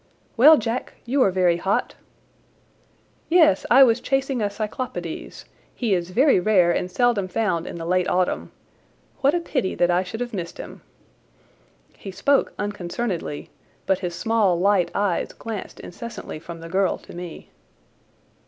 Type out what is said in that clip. "Well, Jack, you are very hot." "Yes, I was chasing a Cyclopides. He is very rare and seldom found in the late autumn. What a pity that I should have missed him!" He spoke unconcernedly, but his small light eyes glanced incessantly from the girl to me.